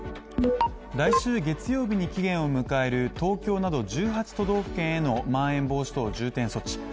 来週月曜日に期限を迎える東京など、１８都道府県へのまん延防止等重点措置。